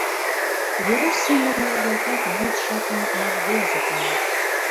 Веруш семынак моло-влакат йӱд жапым малыде азапланат...